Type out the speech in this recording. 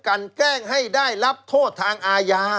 กันแกล้งให้ได้รับโทษทางอาญา